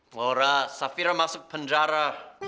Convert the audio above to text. laura safira masuk penjara